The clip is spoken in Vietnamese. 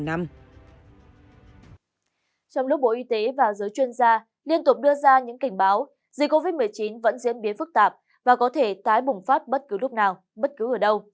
trong lúc bộ y tế và giới chuyên gia liên tục đưa ra những cảnh báo dịch covid một mươi chín vẫn diễn biến phức tạp và có thể tái bùng phát bất cứ lúc nào bất cứ ở đâu